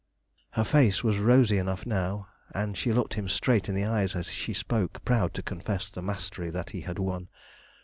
Her face was rosy enough now, and she looked him straight in the eyes as she spoke, proud to confess the mastery that he had won.